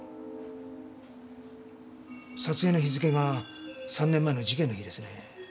撮影の日付が３年前の事件の日ですね。